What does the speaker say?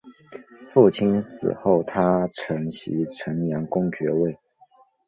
父亲死后他承袭城阳公爵位。